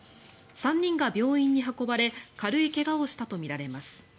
３人が病院に運ばれ軽い怪我をしたとみられます。